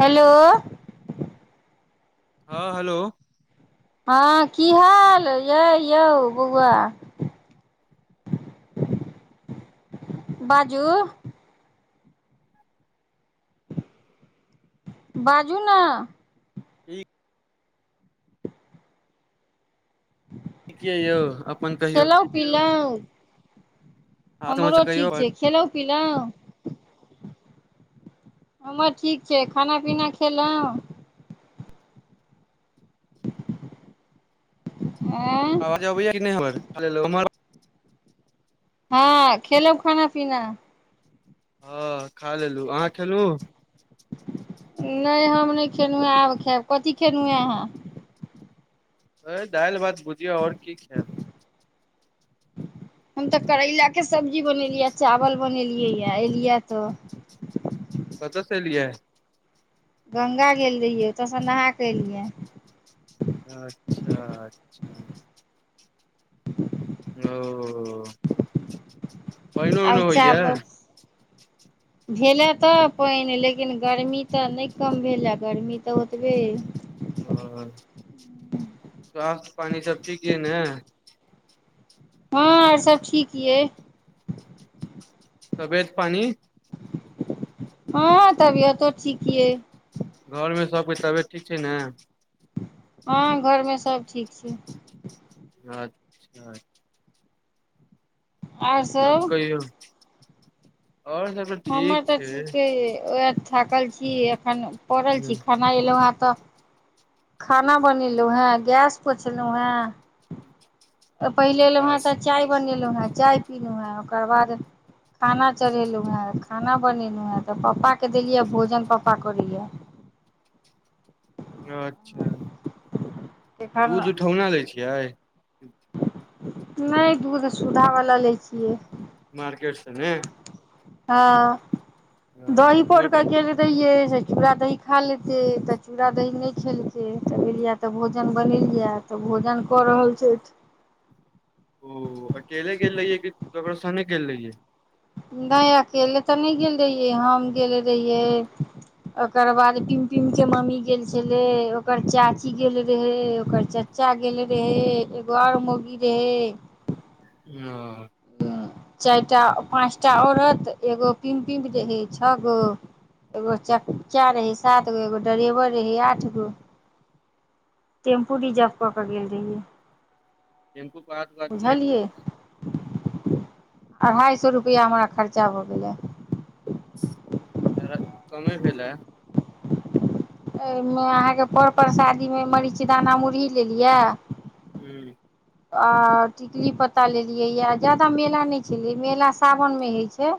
Hello हँ hello हँ की हाल ये यौ बौआ बाजू बाजू नऽ ठीक ठीक यऽ यौ अपन कहियौ खेलहुँ पिलहुँ हाल हमरो समाचार कहियौ ठीक छै खेलहुँ पिलहुँ हमर ठीक छै खाना पीना खेलहुँ ऐय आवाज अबैया कि नहि हमर हँ खेलहु खाना पीना हँ खा लेलु अहाँ खेलु नहि हम नहि खेलहुँ आब खायब कथी खेलहुँ हँ अहाँ ओहे दाइल भात भुझिया आओर की खेब हम तऽ करैला के सब्जी बनेलियै चावल बनेलियै एलियै तऽ कतऽसँ एलियै गंगा गेल रहियै ओतयसँ नहााक एलियै अच्छा अच्छा ओ पानिओ आ उइनो होइया चाब भेलए तऽ पाइन लेकिन गर्मी तऽ नहि कम भेलए गर्मी तऽ ओतबे अइ ओ स्वस्थ पानि सब ठीक यऽ ने हँ और सब ठीक यइ तबियत पानि हँ तबियतो ठीक यैह घोरमे सबके तबियत ठीक छै ने हँ घोरमे सब ठीक छै अच्छा आर तब सब कहियो आओर सब तऽ हमर ठीक छै तऽ िके उह ठाकल छी एखन पड़ल छी खाना एलहुँ हेँ तऽ खाना बनेलहु हें गैस पोछलहु हें पहिले ह एलहुं हें तऽ चाय बनेलहुँ हें चाय पीलहुँ हैं ओकर बाद खाना चढ़ेलहुँ हेँ खाना बनेलहुँ हेँ तऽ पपाके देलियै भोजन पापा करे यऽ अच्छा दूध एखन उठौना लै छियै नहि दूध सुधावला लै छियै मार्केेट सऽ ने हँ दही उमहर के पोड़का चूड़ा दही खा लेतै तऽ चूड़ा दही नहि खेलकै तऽ तऽ भोजन बनलिए तऽ भोजन कऽ रहल छथि ओ अकेले गेल रहियै कि ककरो सन्गे गेल रहियै नहि अकेले तऽ नहि गेल रहियै हम गेल रहियै ओकर बाद टिम टिम के मम्मी गेल छले ओकर चाची गेल रहे ओकर चा चाचा गेले रहै एगो आर मौगी रहे ओ चारिटा पाँच टा औरत एगो पिम पिम रहै छह गो एगो चचा रहै सात गो एगो ड्रेवर रहै आठ गो टेम्पू रिजर्व कऽ के गेल रहियै बुझलियै [unintelligible] अढ़ाइ सए रुपैआ हमरा खर्चा भऽ गेलै तऽ कमे भेलैय एहिमे अहाँके पर परसादी मे मरीच दाना मुरही लेलिये हू आ टिकली पत्ता लेलियैए ज्यदा मेला नहि छलै मेला सावन मे हेइ छै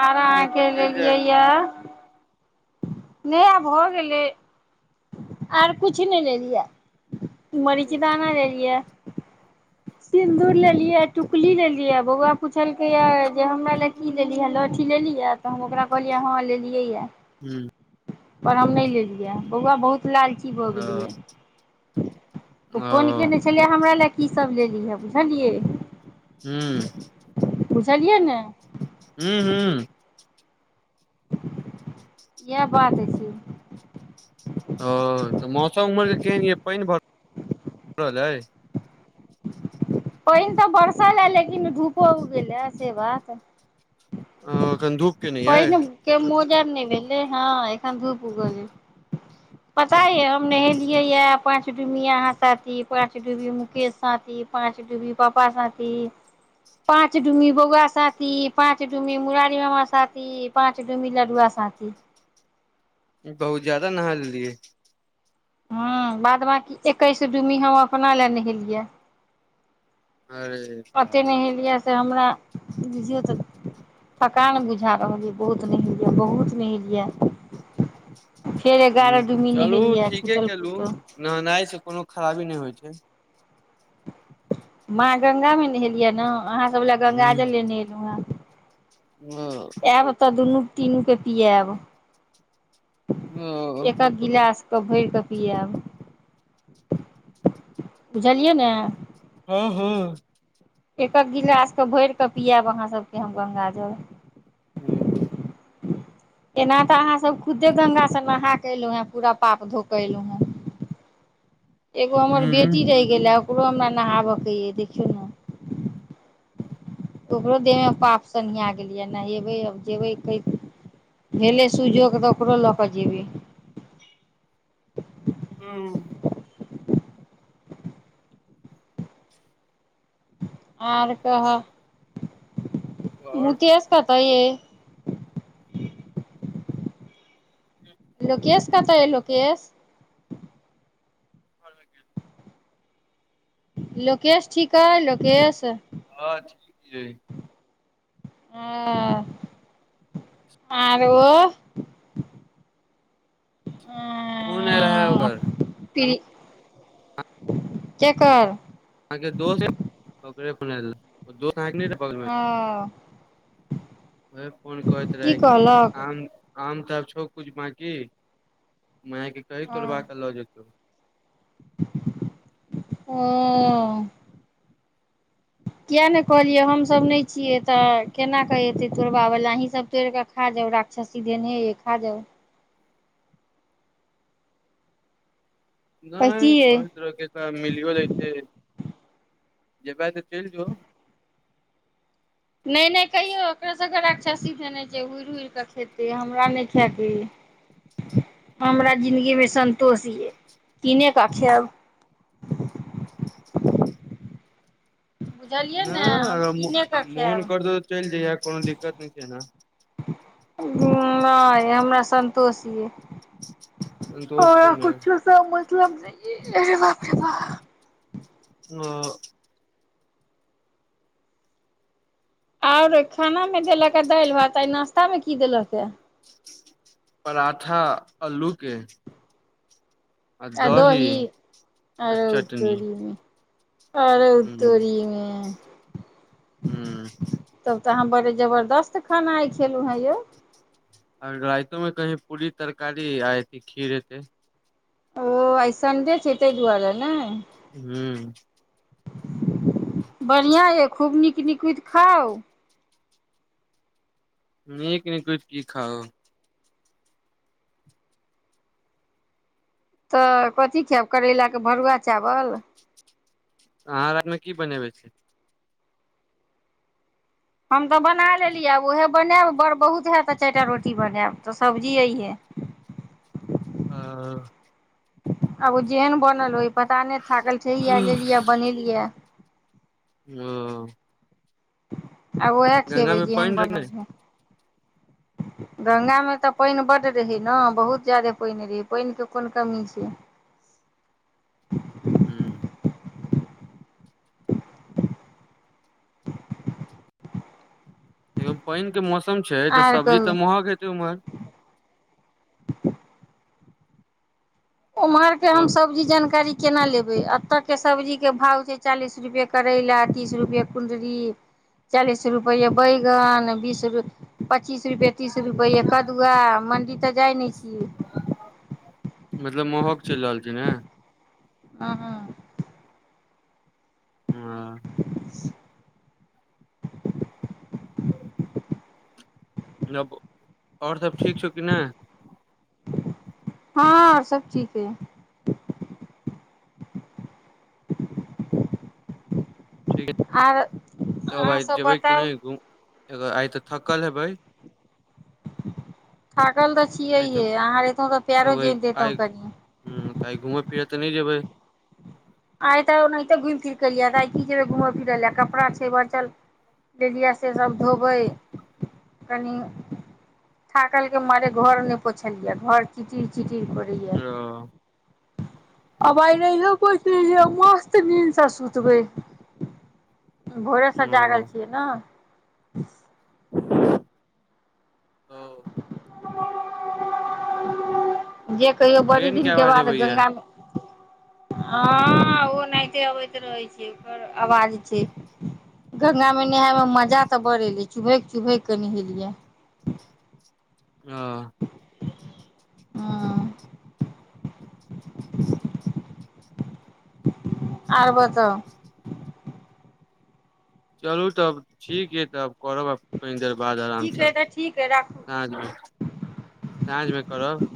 और अहाँ एक बार के चलि लेलियै जायब यए नहि आ भऽ गेलै आर किछ नहि लेलियै मरीच ओ दाना लेलियए सिन्दूर लेलियै टीकुली लेलियै बौआ पुछलकै ये जे हमरा ल की लेलिय हँ लहठी लेली हे तऽ हम ओकरा कहलियै हँ लेलियै यऽ हू पर हम नहि लेलियै बौआ बहुत लालची भऽ गेल ये फोन केने छलियै हमरा लए की सब लेलीहँ बुझलियै हू बुझलियै ने हू हू इएह बात अछि ओ तऽ मौसम उम्हर के केहन या पैनि भरल ऐय पैनि तऽ बरसल हे लेकिन धूपो उगल ये से बात ओ एखन धूप केने अय पानि के मोजर नय भेले हँ एखन धूप उगल ए पता या हम नहेलियै यऽ पाँंच डुमिया आहाँ साथी पांच डुबी मुकेश साथी पाँंच डुबी पापा साथी पाँच डुमी बौआ साथी पाँच डुमी मुुरारी मामा साथी पाँच डूमी लडुआ साथी बहुत ज्यादा नहा लेलियै हँ बाद बाकी एकैस डुमी हम अपना लए नहेलियै अरे अते बाप नहेलियै से हमरा बुझियौ तऽ थकान बुझा रहल यऽ बहुत नहेलिए यऽ बहुत नहेलिए यऽ फेर एगारह डूमी चलू नेहेेलिया ठीके छुटल केलु फुटल नहेनाइ सँ कोनो खराबी नहि होइ छै माँ गंगा मे नेहेलियै ने अहाँ सभ लए गंगाजल लेने अयलहुँ हेँ [unintelligible] आएब तऽ दुनू तीनू के पियाब एक हक ओ एकहक गिलास के भरि कऽ पियाब बुझलियै ने हँ हँ एकहक गिलास के भैर के पियाब अहाँ सबके हम गंगाजल हू एना तऽ अहाँ सभ खुदे गंगा सँ नहा के अयलहुँ हे पूरा पाप धोकअ एलहुँ हे [inaudible] एगो हमर बेटी हूँ रहि गेले ओकरो हमरा नहाबे के ये देखियो ओकरो देह मे पाप सनिआँ गेलै नहेबै आब जेयबै कै भेले सुजग तऽ ओकरो लकऽ जेबे हू आर कहय आओर मुकेश कतय ये लोकेश कतऽ अइ लोकेश [unintelligible] लोकेेश ठीक अइ लोकेेश हँ ठीक अइ हँ आर ओ फोन एल रहय ओकर ती केकर? अहाँके दोस्त ओकरे फोन ऐल रहय दोष अहा के नय रहे बगल मे ओ उएह फोन कहैत की रहै कि कहलक आम आम तऽ आब छौ किछु बाँकी माय के कही तोड़बा कऽ लऽ जेतौ। ओ [inaudible] किये नऽ कहलियै हमसभ नहि छियै तऽ केना के एतै तोड़बाबैला अहींसभ तोड़ि कऽ खा जाउ राक्षसी धेने हैईये खा जाउ। नहि कहितियै कहैत रहै एतय मिलियो लेते जेबै तऽ चलि जो नहि नहि कहियो ओकरा सबकऽ राक्षसी धैने छै। हूड़ हूड़ कऽ खेतै हमरा नय खेकत इ हमरा जिन्दगी मे संन्तोष ये किनेक खैब बुझलियै ने नाऽ हम अगर कीने कऽ मोन खायब करतौ तऽ चैल जइहे कोनो दिक्कत नय छै एना उम नय हमरा सन्तोष यए ने दोस्त छौ हमरा किछु सऽ मतलब नै छै अरे बाप रे बाप [unintelligible] ओर खाना मे देलक हैं दालि भात नाश्ता मे की देलक हें परोठा अल्लू के आ दोही आ चटनी आरोउ्तरी मे आ रो ह तोरीमे ह तब तऽ अहाँ बड़े जबरदस्त खाना आय खेलुं हें यौ ओर राइतो में कहीं पूरी तरकारी आ एथी खीर हेते ओ आइ संडे छै ताय दुआरे नय हूँ बढ़ियां यऽ खूब नीक नीकुइत खाउ नीक नीकुइत की खाउ तऽ कथी खायब करैला के भरुआ चावल अहाँ रातमे की बनेबे छी हम तऽ बनाय लेली आब उहे बनायब बड़ बहुत हयत तऽ चार टा रोटी बनायब तऽ सब्जी अइहे आ ह आब ओ जेहेन बनल होय पता नय थाकल छैये लेलियै बनेलियै ह [unintelligible] आब उएह गंगा खेबै मे जेहन पाइन रहै की बनल नैय गंगा में तऽ पाइन बड्ड रहै ने बहुत ज्यादे पाइन रहै पैरन के कोन कमी छै हूँ ऐम पैइन के मौसम छै तऽ आर सब्जी कहू तऽ महग हेतै उम्हर उम्हर के हम सब जी जानकारी केना लेबै एतऽ के सब्जीक के भाव छै चालीस रुपए करैला तीस रुपए कुंडरी चालीस रुपये बैगन बीस रुपय पच्चीस रुपए तीस रुपए कदुआ मण्डी तऽ जाइ नय छि मतलब महग चैल रहल छै नै हँ [unintelligible] [inaudible] नको ओर सब ठीक छौ कि नय हँ आर सब ठीके [inaudible] ठीक आर तब अहाँ आइ सब जेबै कि बताउ नय आइ तऽ थकल हेबै थाकल तऽ आइ छियैहे तऽ अहाँ रहितो तऽ पयरो जोइत देैतो कनी ह तऽ आइ घूमय फिरय तऽ नय जेबै आइ तऽ ओनाहिते घुमे फिर के एलिये तऽ आइ की जेबे घूमय फिरय लए कपड़ा छै बचल ले लिये से सभ धोबै कनि थाकल के मारे घर नय पोछलियै घर चिटिर चिटिर करय ये ओ आब आइ नहियो पोछलियै मस्त निंद सऽ सुतबै भोरे सँ जागल ओ छियै न [unintelligible] [unintelligible] जे कहियौ बड़ी ट्रेन के दिनके आवाज बाद अबैया गंगामे। हँ ओ अहनाईते अबैत रहै छै ओकर आवाज छै। गंगा मे नहााय मे मजा तऽ बडड़ एले चुभक चुभक के नहेलियै। अऽ हू और बताऊ चलू तब ठीक यइ तब करबब कनि देर बाद ठीक आरामसँ। अइ तऽ ठीक अइ राखू साँझमे साँझमे करब।